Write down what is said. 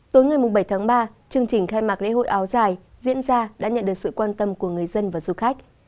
tối ngày bảy tháng ba chương trình khai mạc lễ hội áo dài diễn ra đã nhận được sự quan tâm của người dân và du khách